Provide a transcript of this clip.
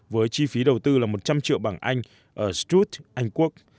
với chi phí đầu tư là một trăm linh triệu bằng anh ở stuttgart anh quốc